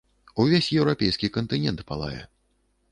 Увесь еўрапейскі кантынент палае.